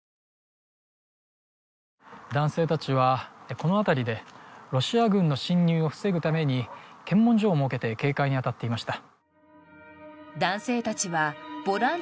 男性たちはこの辺りでロシア軍の侵入を防ぐために検問所を設けて警戒に当たっていました